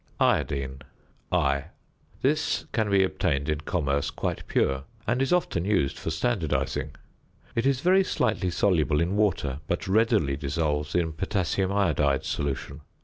~Iodine, I.~ This can be obtained in commerce quite pure, and is often used for standardising. It is very slightly soluble in water, but readily dissolves in potassium iodide solution.